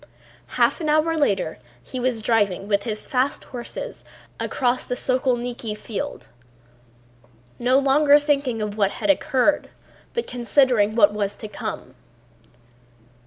Half an hour later he was driving with his fast horses across the Sokólniki field, no longer thinking of what had occurred but considering what was to come.